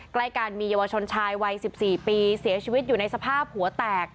ใกล้กันมีเยาวชนชายวัย๑๔ปีเสียชีวิตอยู่ในสภาพหัวแตก